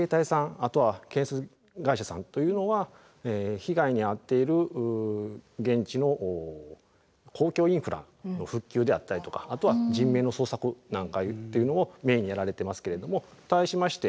あとは建設会社さんというのは被害に遭っている現地の公共インフラの復旧であったりとかあとは人命の捜索なんかっていうのをメインにやられてますけれども対しまして